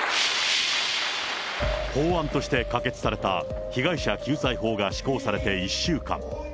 法案として可決された被害者救済法が施行されて１週間。